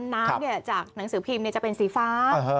น้ำจากหนังสือพิมพ์จะเป็นสีฟ้า